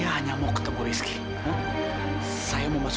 jangan dimasukin ke tempat yang jadi laku